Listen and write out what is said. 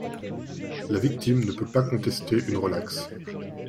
La victime ne peut pas contester une relaxe.